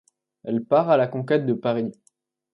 Elle part à la conquête de Paris.